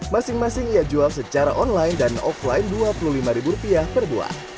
masing masing ia jual secara online dan offline dua puluh lima per buah